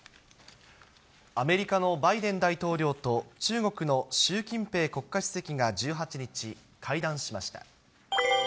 アメリカのバイデン大統領と、中国の習近平国家主席が１８日、会談しました。